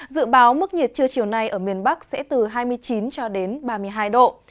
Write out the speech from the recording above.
dự báo mức nhiệt trưa chiều nay ở miền bắc sẽ từ hai mươi chín cho đến ba mươi hai độ